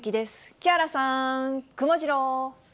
木原さん、くもジロー。